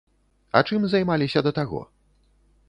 А чым займаліся да таго?